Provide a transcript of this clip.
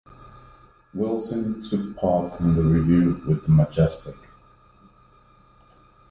Wilson took part in the review with the "Majestic".